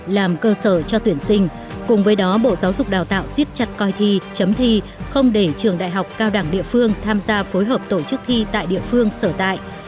làm cơ sở cho tuyển sinh cùng với đó bộ giáo dục đào tạo xiết chặt coi thi chấm thi không để trường đại học cao đẳng địa phương tham gia phối hợp tổ chức thi tại địa phương sở tại